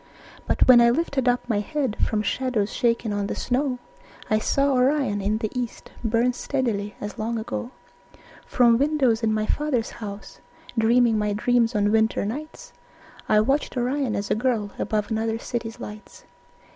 But when I lifted up my head From shadows shaken on the snow, I saw Orion in the east Burn steadily as long ago. From windows in my father's house, Dreaming my dreams on winter nights, I watched Orion as a girl Above another city's lights.